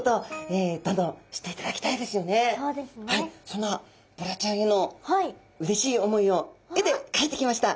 そんなボラちゃんへのうれしい思いを絵でかいてきました。